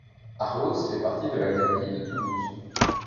Arlos fait partie de l'académie de Toulouse.